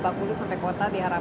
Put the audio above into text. langsung datang ke jakarta barat